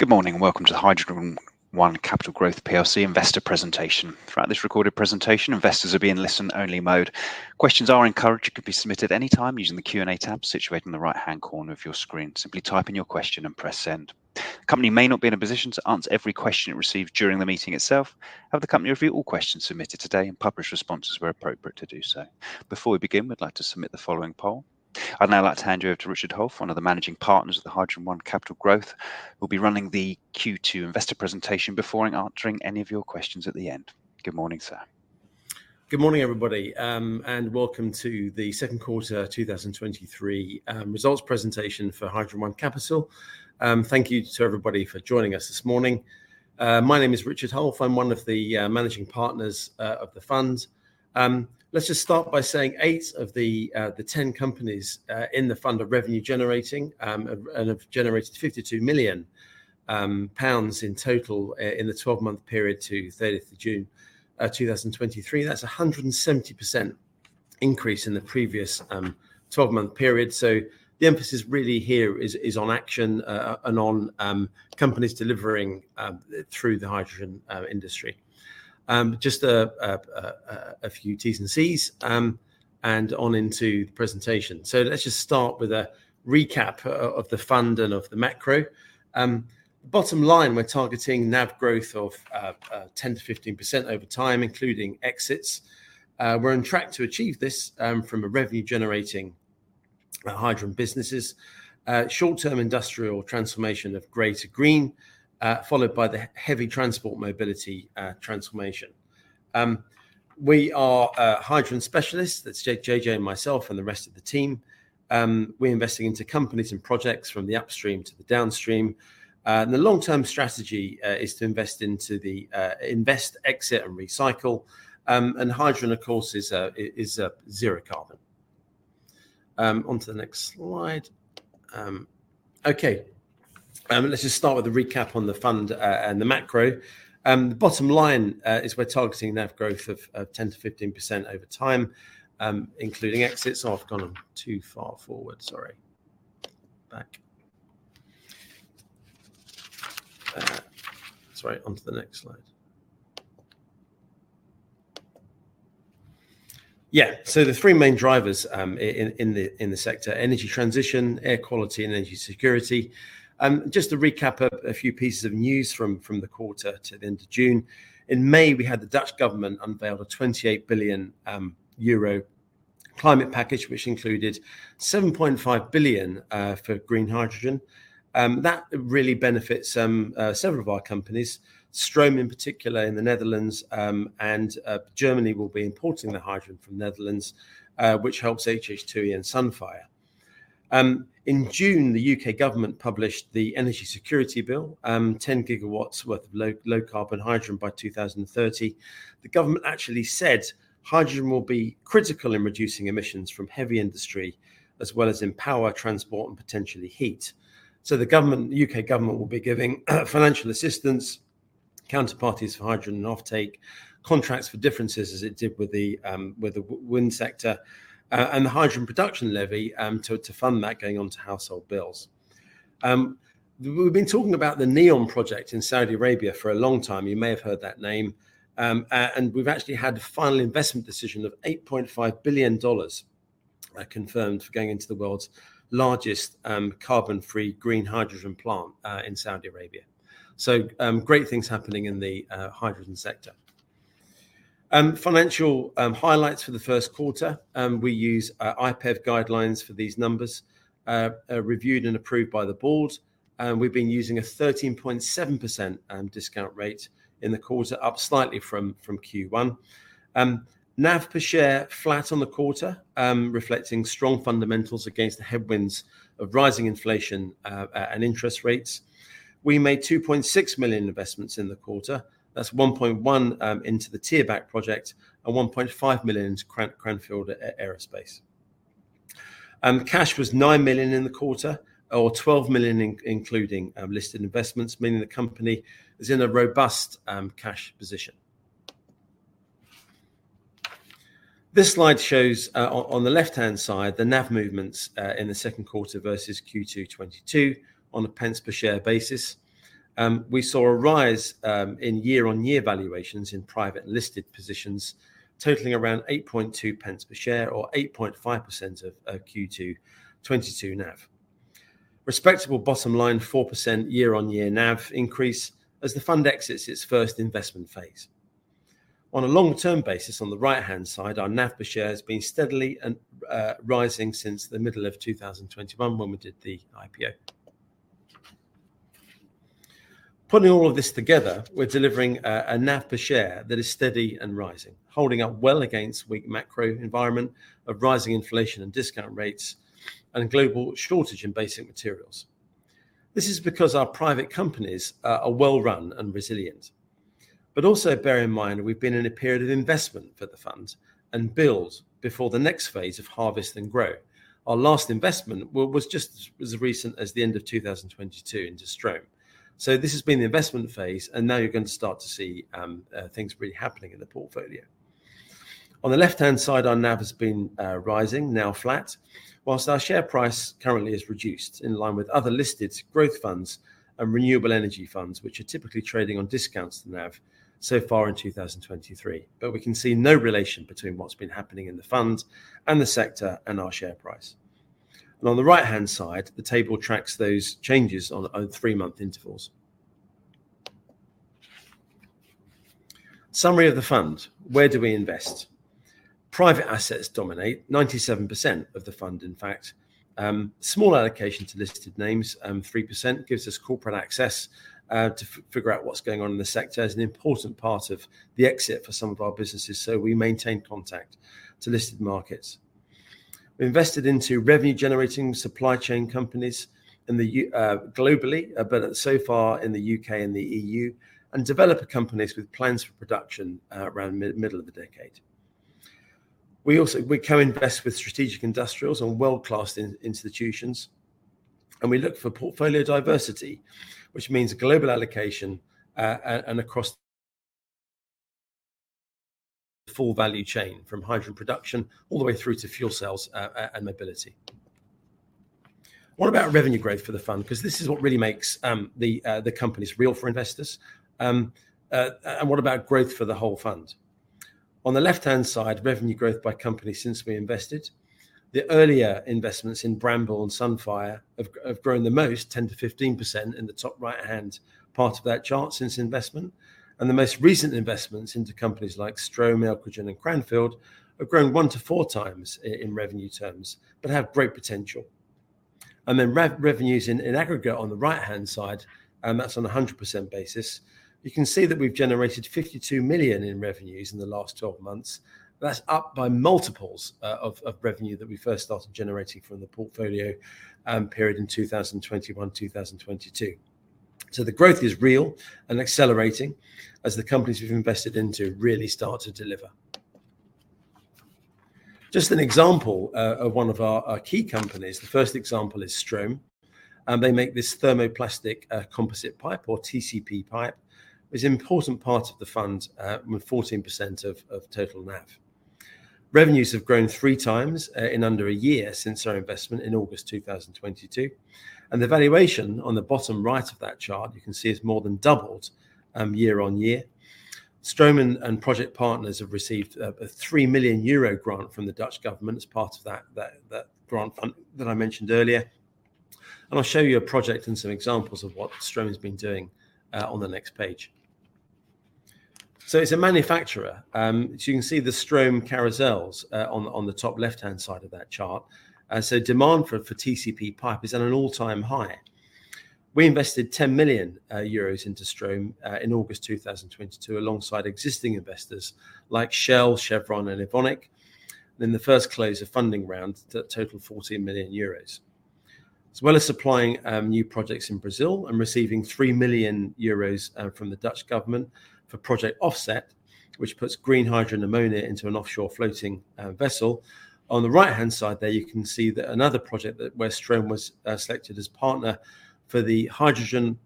Good morning, welcome to the HydrogenOne Capital Growth plc investor presentation. Throughout this recorded presentation, investors will be in listen only mode. Questions are encouraged and can be submitted anytime using the Q&A tab situated in the right-hand corner of your screen. Simply type in your question and press send. The company may not be in a position to answer every question it receives during the meeting itself. The company will review all questions submitted today and publish responses where appropriate to do so. Before we begin, we'd like to submit the following poll. I'd now like to hand you over to Richard Hulf, one of the managing partners of the HydrogenOne Capital Growth, who'll be running the Q2 investor presentation before and answering any of your questions at the end. Good morning, sir. Good morning, everybody, welcome to the Q2 2023 results presentation for HydrogenOne Capital. Thank you to everybody for joining us this morning. My name is Richard Hulf. I'm one of the managing partners of the fund. Let's just start by saying 8 of the 10 companies in the fund are revenue generating, and have generated 52 million pounds in total in the 12-month period to thirtieth of June, 2023. That's a 170% increase in the previous 12-month period. The emphasis really here is on action and on companies delivering through the hydrogen industry. Just a few T's and C's, and on into the presentation. Let's just start with a recap of the fund and of the macro. Bottom line, we're targeting NAV growth of 10 to 15% over time, including exits. We're on track to achieve this from a revenue-generating hydrogen businesses. Short-term industrial transformation of gray to green, followed by the heavy transport mobility transformation. We are hydrogen specialists. That's JJ and myself and the rest of the team. We're investing into companies and projects from the upstream to the downstream. The long-term strategy is to invest into the invest, exit, and recycle. Hydrogen, of course, is zero carbon. On to the next slide. Let's just start with a recap on the fund and the macro. The bottom line is we're targeting NAV growth of 10 to 15% over time, including exits. Oh, I've gone on too far forward, sorry. Back. Sorry, onto the next slide. The three main drivers in the sector: energy transition, air quality, and energy security. Just to recap a few pieces of news from the quarter to the end of June. In May, we had the Dutch government unveil a 28 billion euro climate package, which included 7.5 billion for green hydrogen. That really benefits several of our companies, Strohm in particular, in the Netherlands, and Germany will be importing the hydrogen from Netherlands, which helps HH2E and Sunfire. In June, the U.K. government published the Energy Security Bill, 10 gigawatts worth of low-carbon hydrogen by 2030. The government actually said hydrogen will be critical in reducing emissions from heavy industry, as well as in power, transport, and potentially heat. The government, U.K. government will be giving, financial assistance, counterparties for hydrogen and offtake, contracts for differences, as it did with the wind sector, and the Hydrogen Production Levy, to fund that going onto household bills. We've been talking about the Neom project in Saudi Arabia for a long time. You may have heard that name. And we've actually had a final investment decision of $8.5 billion confirmed for going into the world's largest, carbon-free green hydrogen plant, in Saudi Arabia. Great things happening in the hydrogen sector. Financial highlights for the Q1. We use IPEV guidelines for these numbers, reviewed and approved by the board, and we've been using a 13.7% discount rate in the quarter, up slightly from Q1. NAV per share, flat on the quarter, reflecting strong fundamentals against the headwinds of rising inflation and interest rates. We made 2.6 million investments in the quarter. That's 1.1 million into the Thierbach project and 1.5 million into Cranfield Aerospace. Cash was 9 million in the quarter, or 12 million including listed investments, meaning the company is in a robust cash position. This slide shows on, on the left-hand side, the NAV movements in the Q2 versus Q2 2022 on a pence per share basis. We saw a rise in year-on-year valuations in private listed positions, totaling around 8.2 pence per share, or 8.5% of Q2 2022 NAV. Respectable bottom line, 4% year-on-year NAV increase as the fund exits its first investment phase. On a long-term basis, on the right-hand side, our NAV per share has been steadily and rising since the middle of 2021 when we did the IPO. Putting all of this together, we're delivering a NAV per share that is steady and rising, holding up well against weak macro environment of rising inflation and discount rates and a global shortage in basic materials. This is because our private companies are, are well-run and resilient. Also bear in mind, we've been in a period of investment for the fund and build before the next phase of harvest and grow. Our last investment was just as recent as the end of 2022 into Strohm. This has been the investment phase, and now you're going to start to see things really happening in the portfolio. On the left-hand side, our NAV has been rising, now flat, whilst our share price currently is reduced in line with other listed growth funds and renewable energy funds, which are typically trading on discounts to NAV so far in 2023. We can see no relation between what's been happening in the fund and the sector and our share price. On the right-hand side, the table tracks those changes on three-month intervals. Summary of the fund. Where do we invest? Private assets dominate, 97% of the fund, in fact. Small allocation to listed names, 3%, gives us corporate access to figure out what's going on in the sector as an important part of the exit for some of our businesses, so we maintain contact to listed markets. We invested into revenue-generating supply chain companies globally, but so far in the UK and the EU, and developer companies with plans for production around middle of the decade. We also co-invest with strategic industrials and world-class institutions, and we look for portfolio diversity, which means global allocation, and across the full value chain, from hydrogen production all the way through to fuel cells and mobility. What about revenue growth for the fund? 'Cause this is what really makes the companies real for investors. What about growth for the whole fund? On the left-hand side, revenue growth by company since we invested. The earlier investments in Bramble and Sunfire have grown the most, 10 to 15% in the top right-hand part of that chart since investment. The most recent investments into companies like Strohm, Elcogen, and Cranfield, have grown 1-4 times in revenue terms, but have great potential. Then revenues in aggregate on the right-hand side, and that's on a 100% basis. You can see that we've generated 52 million in revenues in the last 12 months. That's up by multiples of revenue that we first started generating from the portfolio, period in 2021, 2022. The growth is real and accelerating as the companies we've invested into really start to deliver. Just an example of one of our key companies. The first example is Strohm, they make this thermoplastic composite pipe or TCP pipe. It's an important part of the fund with 14% of total NAV. Revenues have grown 3 times in under a year since our investment in August 2022, and the valuation on the bottom right of that chart, you can see has more than doubled year-on-year. Strohm and, and project partners have received a, a 3 million euro grant from the Dutch government as part of that, that, that grant fund that I mentioned earlier. I'll show you a project and some examples of what Strohm has been doing on the next page. It's a manufacturer, so you can see the Strohm carousels on the, on the top left-hand side of that chart. Demand for, for TCP pipe is at an all-time high. We invested 10 million euros into Strohm in August 2022, alongside existing investors like Shell, Chevron, and Evonik, in the first close of funding round that totaled 14 million euros. As well as supplying new projects in Brazil and receiving 3 million euros from the Dutch government for Project OFFSET, which puts green hydrogen ammonia into an offshore floating vessel. On the right-hand side there, you can see that another project that where Strohm was selected as partner for the Hydrogen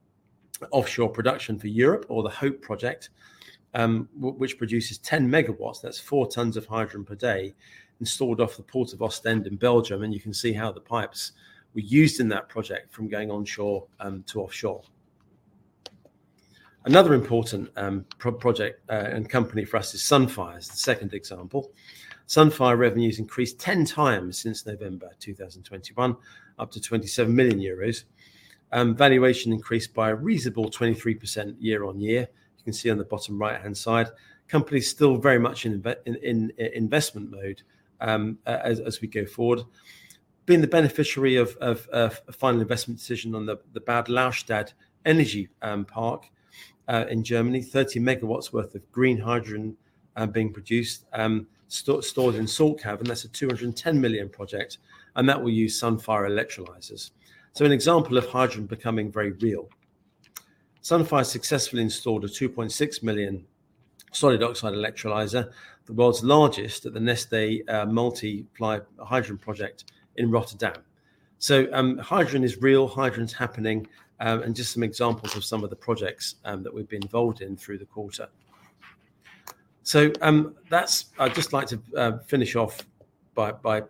Offshore Production for Europe or the HOPE project, which produces 10 megawatts, that's 4 tons of hydrogen per day, installed off the port of Ostend in Belgium, and you can see how the pipes were used in that project from going onshore to offshore. Another important project and company for us is Sunfire, is the second example. Sunfire revenues increased 10 times since November 2021, up to 27 million euros. Valuation increased by a reasonable 23% year-on-year, you can see on the bottom right-hand side. Company is still very much in investment mode as we go forward. Been the beneficiary of a final investment decision on the Bad Lauchstadt energy park in Germany, 30 megawatts worth of green hydrogen being produced, stored in salt cavern. That's a 210 million project, and that will use Sunfire electrolyzers. Sunfire successfully installed a 2.6 million solid oxide electrolyzer, the world's largest, at the Neste MultiPLHY project in Rotterdam. Hydrogen is real, hydrogen is happening, and just some examples of some of the projects that we've been involved in through the quarter. I'd just like to finish off by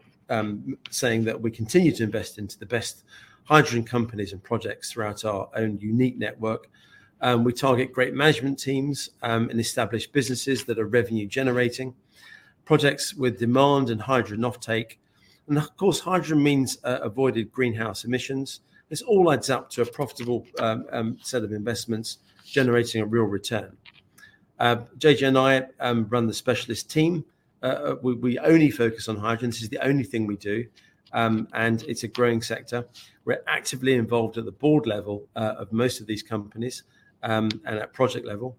saying that we continue to invest into the best hydrogen companies and projects throughout our own unique network. We target great management teams, establish businesses that are revenue generating, projects with demand and hydrogen offtake, of course, hydrogen means avoided greenhouse emissions. This all adds up to a profitable set of investments generating a real return. JJ and I run the specialist team. We, we only focus on hydrogen. This is the only thing we do, it's a growing sector. We're actively involved at the board level of most of these companies, at project level.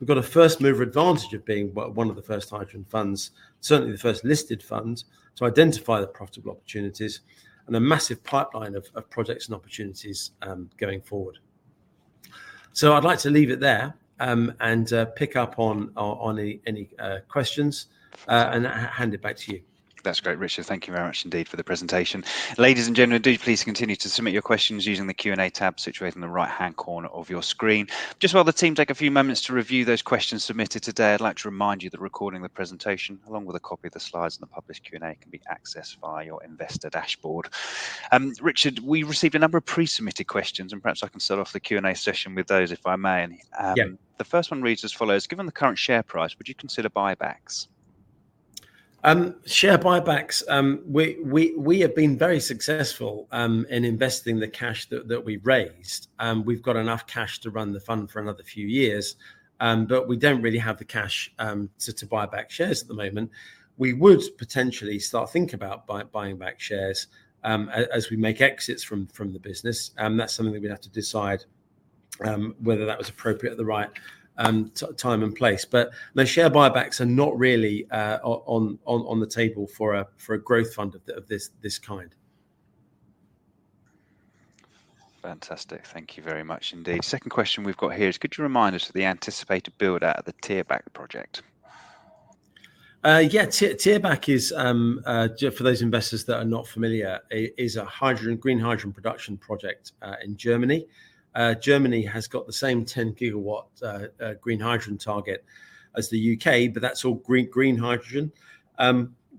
We've got a first mover advantage of being one of the first hydrogen funds, certainly the first listed fund, to identify the profitable opportunities a massive pipeline of projects and opportunities going forward. I'd like to leave it there, and pick up on, on, on any, any, questions, and hand it back to you. That's great, Richard. Thank you very much indeed for the presentation. Ladies and gentlemen, do please continue to submit your questions using the Q&A tab situated in the right-hand corner of your screen. Just while the team take a few moments to review those questions submitted today, I'd like to remind you that recording the presentation, along with a copy of the slides and the published Q&A, can be accessed via your investor dashboard. Richard, we received a number of pre-submitted questions, and perhaps I can start off the Q&A session with those, if I may. Yeah. The first one reads as follows: Given the current share price, would you consider buybacks? Share buybacks, we have been very successful in investing the cash that we've raised. We've got enough cash to run the fund for another few years, but we don't really have the cash to buy back shares at the moment. We would potentially start thinking about buying back shares as we make exits from the business, and that's something that we'd have to decide whether that was appropriate at the right time and place. No, share buybacks are not really on the table for a growth fund of this kind. Fantastic. Thank you very much indeed. Second question we've got here is, could you remind us of the anticipated build-out of the Thierbach project? Thierbach is just for those investors that are not familiar, it is a hydrogen, green hydrogen production project in Germany. Germany has got the same 10-gigawatt green hydrogen target as the UK, but that's all green hydrogen.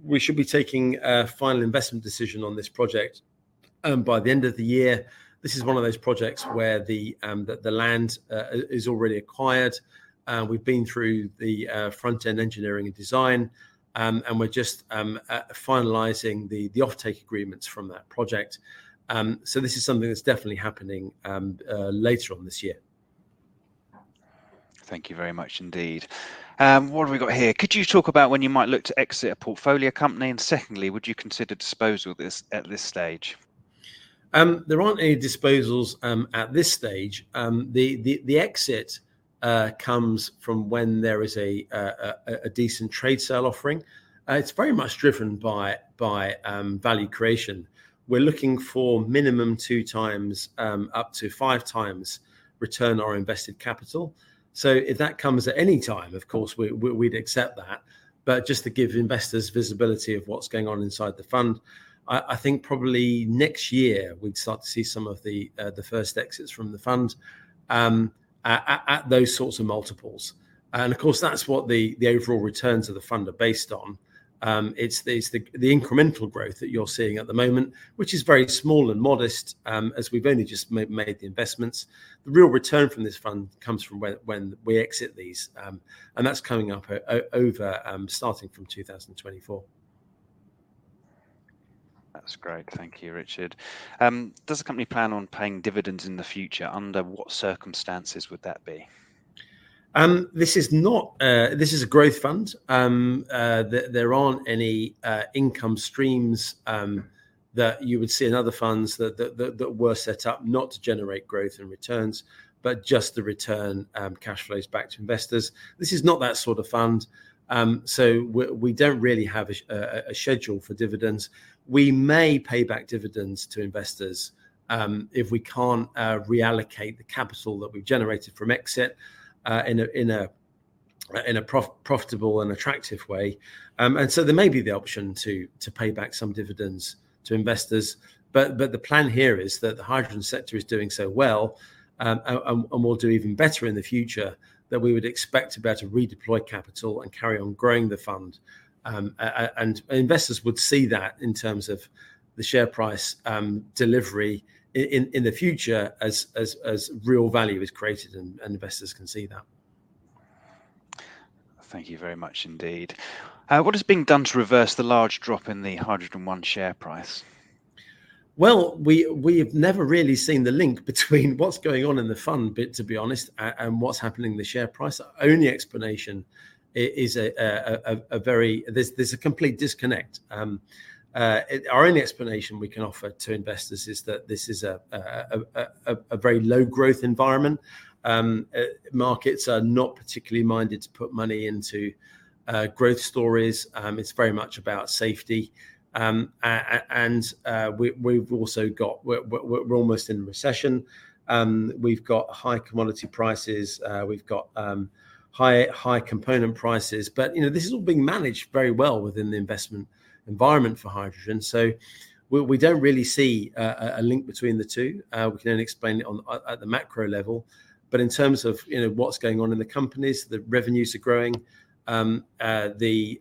We should be taking a final investment decision on this project by the end of the year. This is one of those projects where the the land is already acquired. We've been through the front-end engineering design, and we're just finalizing the the offtake agreements from that project. This is something that's definitely happening later on this year. Thank you very much indeed. What have we got here? Could you talk about when you might look to exit a portfolio company, and secondly, would you consider disposal this, at this stage? There aren't any disposals at this stage. The exit comes from when there is a decent trade sale offering. It's very much driven by value creation. We're looking for minimum 2 times, up to 5 times return on invested capital. If that comes at any time, of course, we'd accept that. Just to give investors visibility of what's going on inside the fund, I think probably next year we'd start to see some of the first exits from the fund at those sorts of multiples. Of course, that's what the overall returns of the fund are based on. It's these, the, the incremental growth that you're seeing at the moment, which is very small and modest, as we've only just made the investments. The real return from this fund comes from when, when we exit these, and that's coming up over, starting from 2024. That's great. Thank you, Richard. Does the company plan on paying dividends in the future? Under what circumstances would that be? This is not. This is a growth fund. There, there aren't any income streams that you would see in other funds that, that, that, that were set up not to generate growth and returns, but just to return cash flows back to investors. This is not that sort of fund, so we don't really have a schedule for dividends. We may pay back dividends to investors, if we can't reallocate the capital that we've generated from exit, in a, in a, in a profitable and attractive way. So there may be the option to pay back some dividends to investors, but the plan here is that the hydrogen sector is doing so well, and will do even better in the future, that we would expect to be able to redeploy capital and carry on growing the fund. Investors would see that in terms of the share price delivery in the future as real value is created and investors can see that. Thank you very much indeed. What is being done to reverse the large drop in the HydrogenOne share price? We, we have never really seen the link between what's going on in the fund bit, to be honest, and what's happening in the share price. Our only explanation is a very there's a complete disconnect. Our only explanation we can offer to investors is that this is a very low growth environment. Markets are not particularly minded to put money into growth stories. It's very much about safety. And we've also got. We're almost in a recession. We've got high commodity prices. We've got high, high component prices. You know, this is all being managed very well within the investment environment for hydrogen, so we, we don't really see a link between the two. We can only explain it on a, at the macro level. In terms of, you know, what's going on in the companies, the revenues are growing. The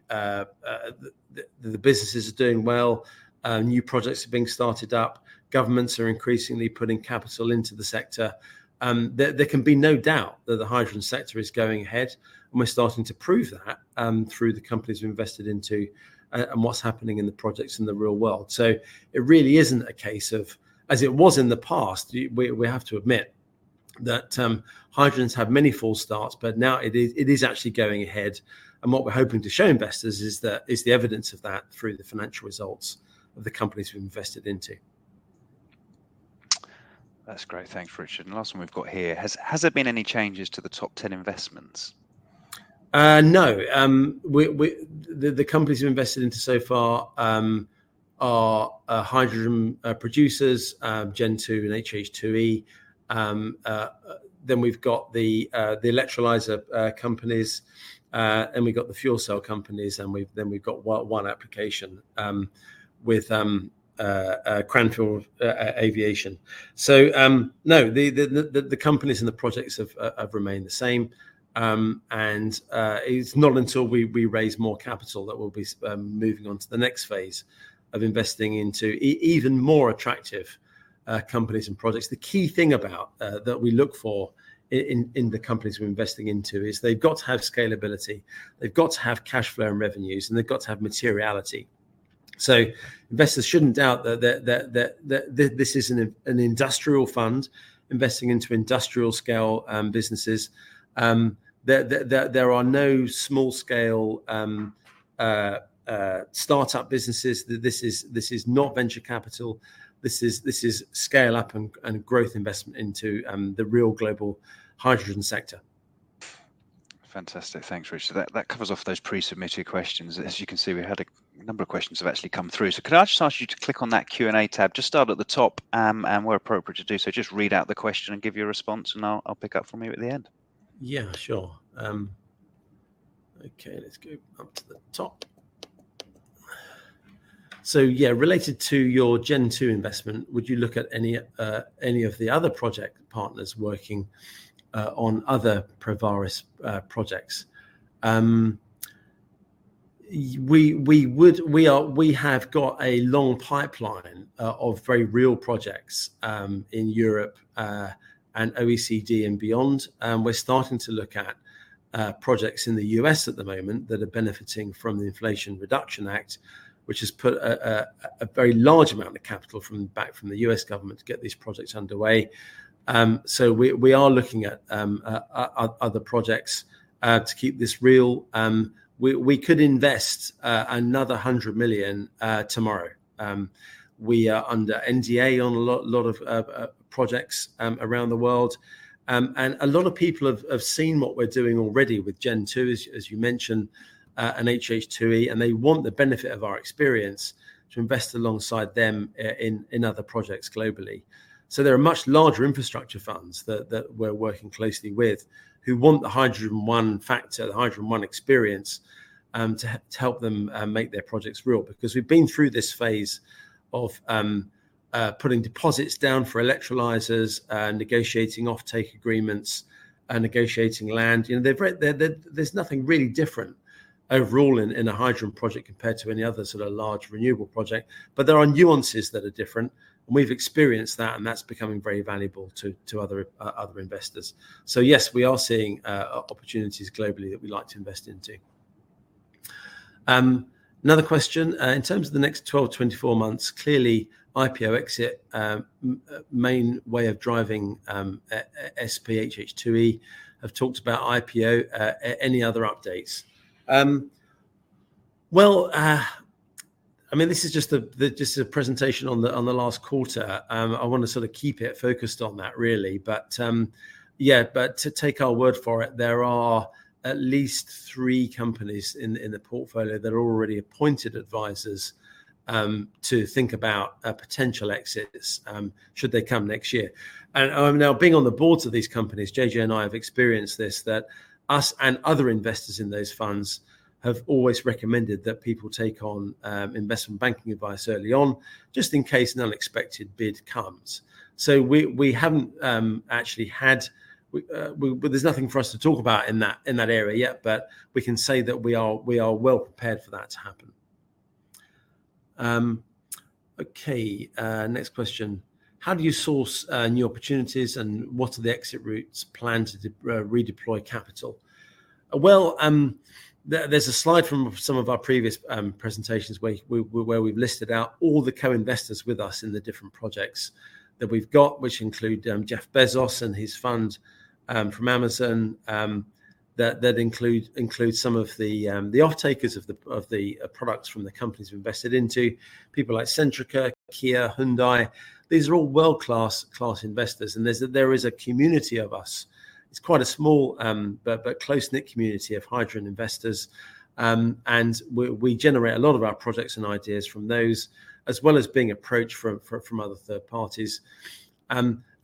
businesses are doing well. New projects are being started up. Governments are increasingly putting capital into the sector. There, there can be no doubt that the hydrogen sector is going ahead, and we're starting to prove that through the companies we invested into and what's happening in the projects in the real world. It really isn't a case of, as it was in the past, we, we have to admit, that hydrogen's had many false starts, but now it is, it is actually going ahead. What we're hoping to show investors is the evidence of that through the financial results of the companies we've invested into. That's great. Thank you, Richard. The last one we've got here. Has there been any changes to the top 10 investments? No. The companies we've invested into so far are hydrogen producers, Gen2 and HH2E. We've got the electrolyzer companies, and we've got the fuel cell companies, and we've got one application with Cranfield Aerospace Solutions. No, the companies and the projects have remained the same. It's not until we raise more capital that we'll be moving on to the next phase of investing into even more attractive companies and projects. The key thing about that we look for in the companies we're investing into is they've got to have scalability, they've got to have cash flow and revenues, and they've got to have materiality. Investors shouldn't doubt that, that, that, that, that, that this is an an industrial fund investing into industrial scale businesses. There, there, there, there are no small scale start-up businesses. This is, this is not venture capital. This is, this is scale-up and, and growth investment into the real global hydrogen sector. Fantastic. Thanks, Richard. That, that covers off those pre-submitted questions. As you can see, we've had a number of questions have actually come through. Could I just ask you to click on that Q&A tab? Just start at the top, and where appropriate to do so, just read out the question and give your response, and I'll, I'll pick up from you at the end. Yeah, sure. Okay, let's go up to the top. Related to your Gen2 investment, would you look at any of the other project partners working on other Provaris projects? We have got a long pipeline of very real projects in Europe and OECD and beyond. We're starting to look at projects in the U.S. at the moment that are benefiting from the Inflation Reduction Act, which has put a very large amount of capital from, back from the U.S. government to get these projects underway. We are looking at other projects to keep this real. We could invest another 100 million tomorrow. We are under NDA on a lot, lot of projects around the world. A lot of people have, have seen what we're doing already with Gen2, as, as you mentioned, and HH2E, and they want the benefit of our experience to invest alongside them in other projects globally. There are much larger infrastructure funds that, that we're working closely with, who want the HydrogenOne factor, the HydrogenOne experience, to help, to help them make their projects real. We've been through this phase of putting deposits down for electrolyzers, negotiating offtake agreements, and negotiating land. You know, they've re- there, there, there's nothing really different overall in, in a hydrogen project compared to any other sort of large renewable project, but there are nuances that are different, and we've experienced that, and that's becoming very valuable to, to other, other investors. Yes, we are seeing opportunities globally that we'd like to invest into. Another question, in terms of the next 12-24 months, clearly, IPO exit, main way of driving SPHH2E, have talked about IPO. Any other updates? Well, I mean, this is just a presentation on the last quarter. I want to sort of keep it focused on that, really. Yeah, but to take our word for it, there are at least three companies in, in the portfolio that have already appointed advisors to think about potential exits should they come next year. Now, being on the boards of these companies, J.J. and I have experienced this, that us and other investors in those funds have always recommended that people take on investment banking advice early on, just in case an unexpected bid comes. We, we haven't actually had, we, well, there's nothing for us to talk about in that, in that area yet, but we can say that we are, we are well prepared for that to happen. Okay, next question: How do you source new opportunities, and what are the exit routes planned to redeploy capital? Well, there, there's a slide from some of our previous presentations where we, where we've listed out all the co-investors with us in the different projects that we've got, which include Jeff Bezos and his fund from Amazon. That, that include, includes some of the the off takers of the of the products from the companies we invested into. People like Centrica, Kia, Hyundai, these are all world-class, class investors, and there's a, there is a community of us. It's quite a small, but, but close-knit community of hydrogen investors, and we, we generate a lot of our projects and ideas from those, as well as being approached from, from, from other third parties.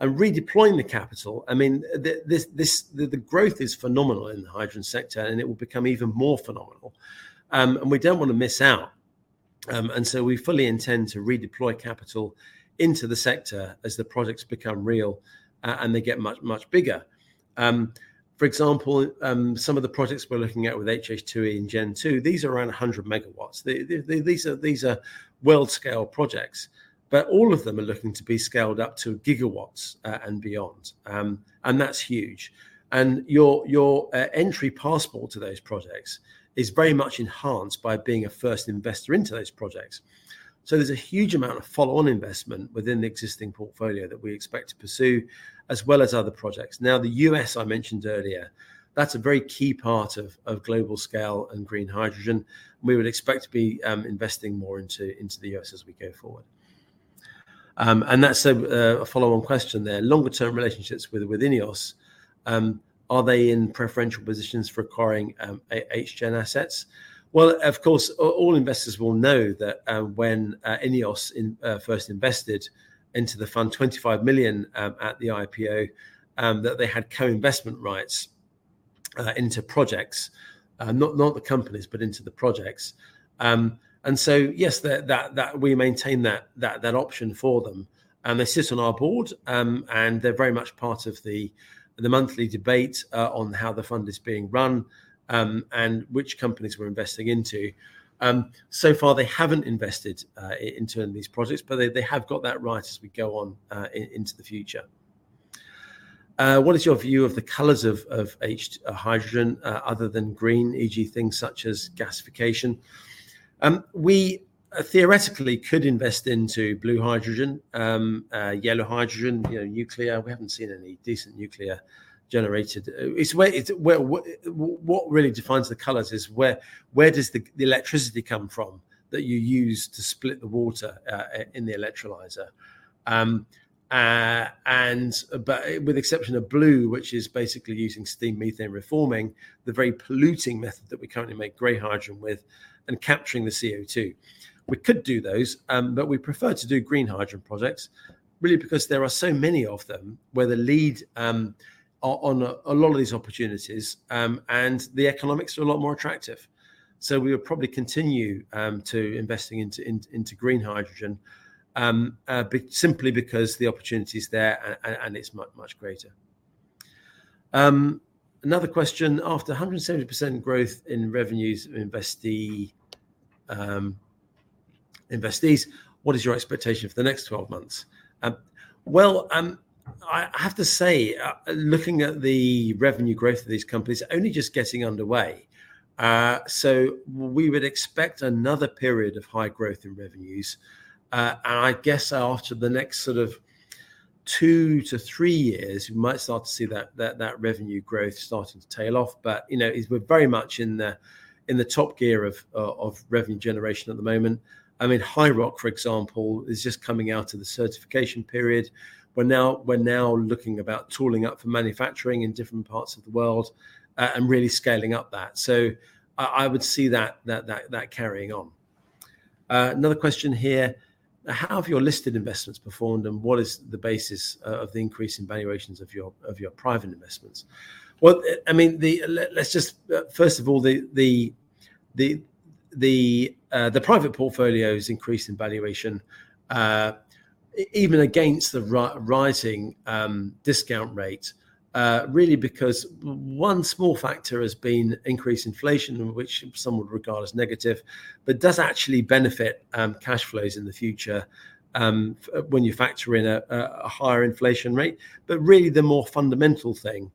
Redeploying the capital, I mean, the growth is phenomenal in the hydrogen sector, and it will become even more phenomenal, and we don't want to miss out. We fully intend to redeploy capital into the sector as the projects become real and they get much, much bigger. For example, some of the projects we're looking at with HH2E and Gen2, these are around 100 megawatts. These are world-scale projects, but all of them are looking to be scaled up to gigawatts and beyond. That's huge. Your entry passport to those projects is very much enhanced by being a first investor into those projects. There's a huge amount of follow-on investment within the existing portfolio that we expect to pursue, as well as other projects. The U.S., I mentioned earlier, that's a very key part of, of global scale and green hydrogen. We would expect to be, investing more into, into the U.S. as we go forward. That's a, a follow-on question there. Longer-term relationships with, with INEOS, are they in preferential positions for acquiring, H, HGEN assets? Well, of course, all, all investors will know that, when, INEOS in, first invested into the fund 25 million, at the IPO, that they had co-investment rights, into projects. Not, not the companies, but into the projects. Yes, that, that, that we maintain that, that, that option for them, and they sit on our board, and they're very much part of the, the monthly debate, on how the fund is being run, and which companies we're investing into. So far, they haven't invested into any of these projects, but they have got that right as we go on into the future. What is your view of the colors of hydrogen, other than green, e.g. things such as gasification? We theoretically could invest into blue hydrogen, yellow hydrogen, you know, nuclear. We haven't seen any decent nuclear generated. What really defines the colors is where does the electricity come from that you use to split the water in the electrolyzer? But with exception of Blue, which is basically using steam methane reforming, the very polluting method that we currently make grey hydrogen with and capturing the CO2. We could do those, but we prefer to do green hydrogen projects, really because there are so many of them where the lead, on, on a lot of these opportunities, and the economics are a lot more attractive. We would probably continue to investing into, in, into green hydrogen, simply because the opportunity is there and, and it's much, much greater. Another question: After 170% growth in revenues of investee, investees, what is your expectation for the next 12 months? Well, I, I have to say, looking at the revenue growth of these companies, only just getting underway. We would expect another period of high growth in revenues. I guess after the next sort of two to three years, we might start to see that, that, that revenue growth starting to tail off. You know, it's we're very much in the, in the top gear of revenue generation at the moment. I mean, HiiROC, for example, is just coming out of the certification period. We're now, we're now looking about tooling up for manufacturing in different parts of the world, and really scaling up that. I, I would see that, that, that, that carrying on. Another question here: How have your listed investments performed, and what is the basis of the increase in valuations of your, of your private investments? Well, I mean, the... First of all, the private portfolios increase in valuation, even against the rising discount rate, really because one small factor has been increased inflation, which some would regard as negative, but does actually benefit cash flows in the future, when you factor in a higher inflation rate. The more fundamental thing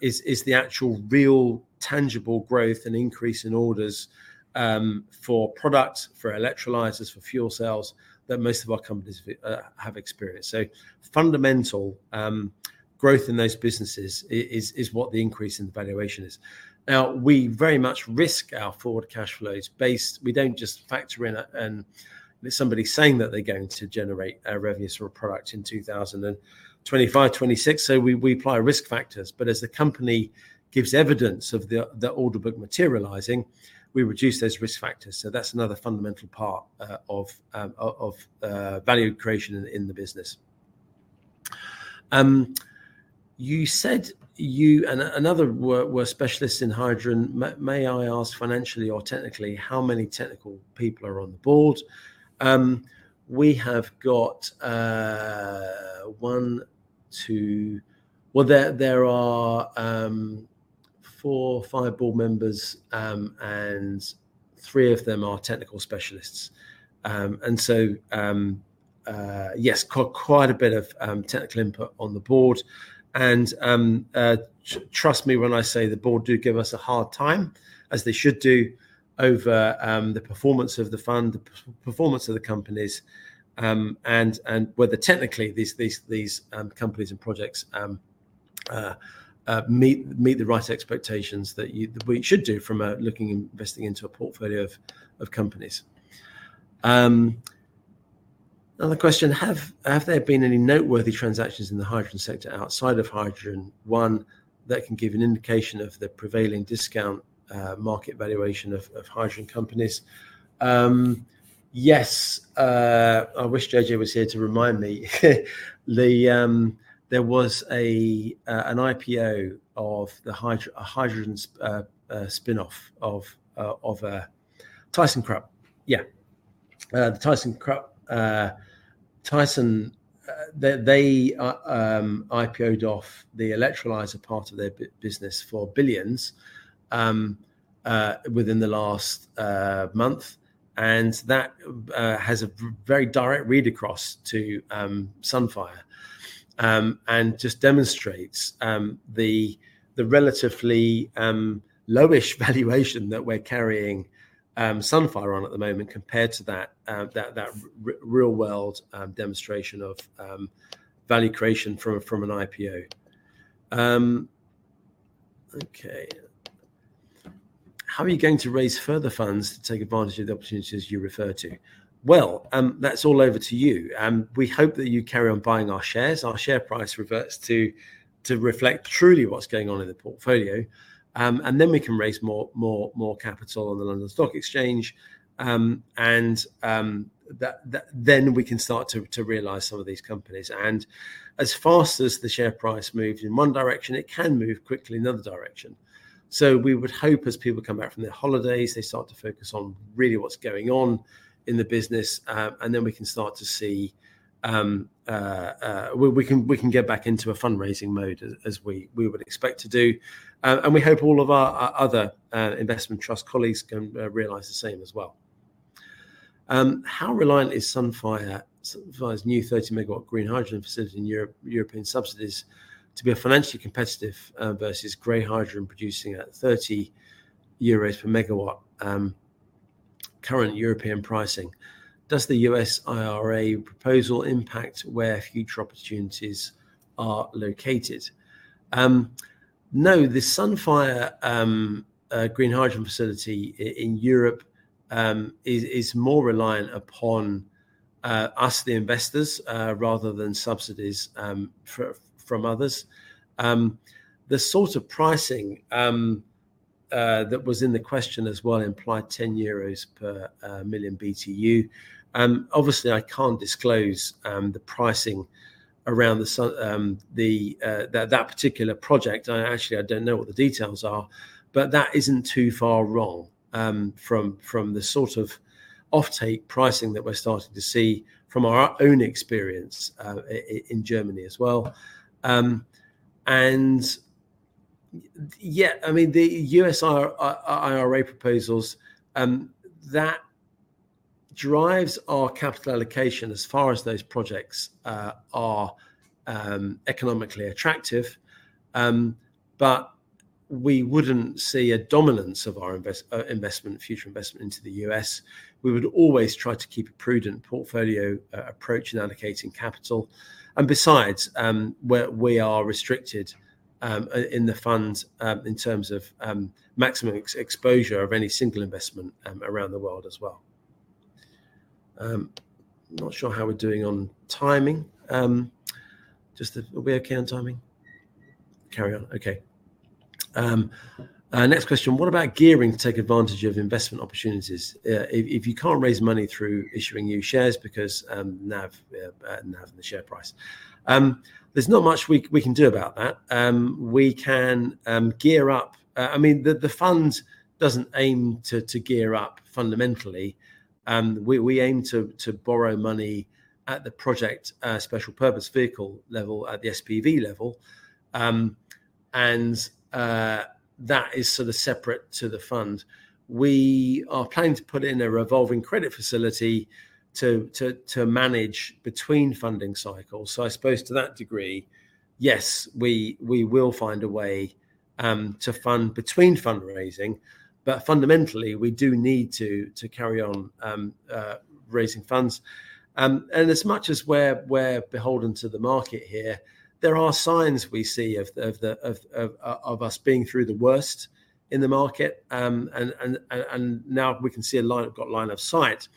is the actual, real, tangible growth and increase in orders for products, for electrolyzers, for fuel cells, that most of our companies have experienced. Fundamental growth in those businesses is what the increase in the valuation is. We very much risk our forward cash flows based-- we don't just factor in somebody saying that they're going to generate a revenue for a product in 2025, 2026, we apply risk factors. As the company gives evidence of the, the order book materializing, we reduce those risk factors. That's another fundamental part of value creation in the business. You said you and another were specialists in hydrogen. May I ask, financially or technically, how many technical people are on the board? We have got one, two... Well, there, there are four, five board members, and three of them are technical specialists. And so, yes, quite a bit of technical input on the board. Trust me when I say the board do give us a hard time, as they should do, over the performance of the fund, the performance of the companies, and, and whether technically these, these, these companies and projects meet, meet the right expectations that you we should do from looking at investing into a portfolio of, of companies. Another question: Have, have there been any noteworthy transactions in the hydrogen sector outside of hydrogen, one that can give an indication of the prevailing discount, market valuation of, of hydrogen companies? Yes, I wish JJ was here to remind me. The there was a an IPO of the a hydrogen spin-off of of Thyssenkrupp. Yeah, the Thyssenkrupp, they, they, IPO'd off the electrolyzer part of their business for billions within the last month, and that has a very direct read across to Sunfire, and just demonstrates the relatively lowish valuation that we're carrying Sunfire on at the moment compared to that, that, that real-world demonstration of value creation from, from an IPO. Okay. How are you going to raise further funds to take advantage of the opportunities you refer to? Well, that's all over to you. We hope that you carry on buying our shares. Our share price reverts to reflect truly what's going on in the portfolio. Then we can raise more capital on the London Stock Exchange. Then we can start to realize some of these companies. As fast as the share price moves in one direction, it can move quickly in the other direction. So we would hope as people come back from their holidays, they start to focus on really what's going on in the business. Then we can start to see, we can get back into a fundraising mode as as we would expect to do. We hope all of our other investment trust colleagues can realize the same as well. How reliant is Sunfire, Sunfire's new 30-megawatt green hydrogen facility in Europe- European subsidies to be a financially competitive versus grey hydrogen, producing at 30 euros per megawatt, current European pricing? Does the U.S. IRA proposal impact where future opportunities are located? No, the Sunfire green hydrogen facility in Europe is more reliant upon us, the investors, rather than subsidies for, from others. The sort of pricing that was in the question as well implied 10 euros per million BTU. Obviously, I can't disclose the pricing around the that particular project. I actually I don't know what the details are, but that isn't too far wrong from the sort of offtake pricing that we're starting to see from our own experience in Germany as well. Yeah, I mean, the U.S. IRA proposals, that drives our capital allocation as far as those projects are economically attractive. We wouldn't see a dominance of our investment, future investment into the U.S. We would always try to keep a prudent portfolio approach in allocating capital, besides, we are restricted in the funds in terms of maximum exposure of any single investment around the world as well. I'm not sure how we're doing on timing. Just are we okay on timing? Carry on. Okay. Next question: What about gearing to take advantage of investment opportunities if you can't raise money through issuing new shares because NAV, NAV and the share price? There's not much we can do about that. We can, I mean, the fund doesn't aim to gear up fundamentally. We, we aim to, to borrow money at the project, special purpose vehicle level, at the SPV level. That is sort of separate to the fund. We are planning to put in a revolving credit facility to, to, to manage between funding cycles. I suppose to that degree, yes, we, we will find a way, to fund between fundraising, fundamentally, we do need to, to carry on, raising funds. As much as we're, we're beholden to the market here, there are signs we see of, of the, of, of, of us being through the worst in the market. Now we can see got line of sight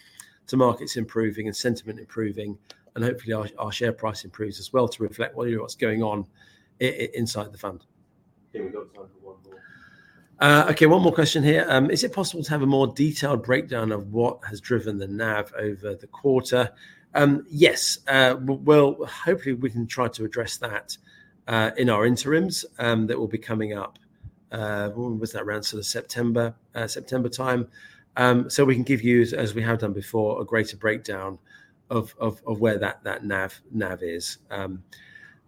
to markets improving and sentiment improving, and hopefully our, our share price improves as well to reflect what, what's going on inside the fund. Okay, we've got time for one more. Okay, one more question here. Is it possible to have a more detailed breakdown of what has driven the NAV over the quarter? Yes, well, hopefully, we can try to address that in our interims that will be coming up. When was that around, so the September, September time. We can give you, as we have done before, a greater breakdown of, of, of where that, that NAV, NAV is. I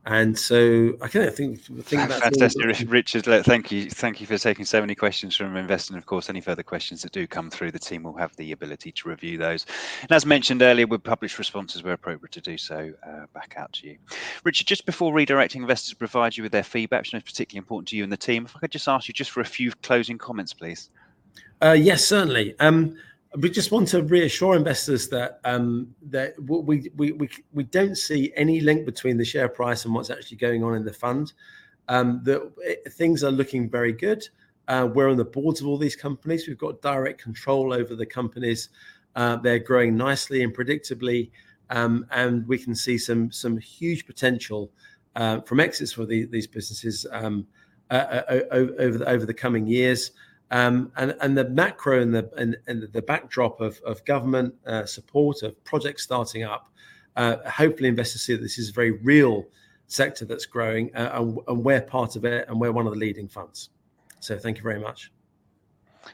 think, think that's... Fantastic, Richard, thank you. Thank you for taking so many questions from investors. Of course, any further questions that do come through, the team will have the ability to review those. As mentioned earlier, we'll publish responses where appropriate to do so, back out to you. Richard, just before redirecting investors to provide you with their feedback, which is particularly important to you and the team, if I could just ask you just for a few closing comments, please. Yes, certainly. We just want to reassure investors that what we, we, we, we don't see any link between the share price and what's actually going on in the fund. The things are looking very good. We're on the boards of all these companies. We've got direct control over the companies. They're growing nicely and predictably, and we can see some, some huge potential from exits for the- these businesses o- o- over the, over the coming years. The macro and the, and, and the backdrop of, of government support, of projects starting up, hopefully, investors see that this is a very real sector that's growing, and, and we're part of it, and we're one of the leading funds. Thank you very much.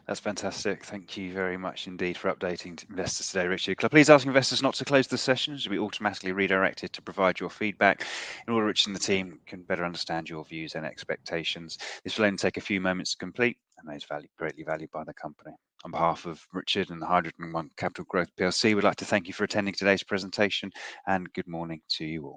That's fantastic. Thank you very much indeed for updating investors today, Richard. Could I please ask investors not to close the session? You should be automatically redirected to provide your feedback in order for Richard and the team can better understand your views and expectations. This will only take a few moments to complete, and that is valued, greatly valued by the company. On behalf of Richard and the HydrogenOne Capital Growth plc, we'd like to thank you for attending today's presentation, and good morning to you all.